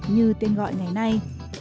như tên gọi ngày nay